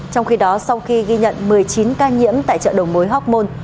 trong khi đó sau khi ghi nhận một mươi chín ca nhiễm tại chợ đầu mối hóc môn